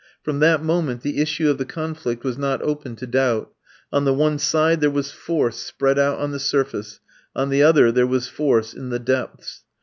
From that moment the issue of the conflict was not open to doubt. On the one side, there was force spread out on the surface; on the other, there was force in the depths.